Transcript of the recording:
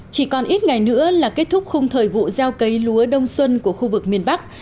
chỉ còn ít ngày nữa là kết thúc khung thời vụ gieo cấy lúa đông xuân của khu vực miền bắc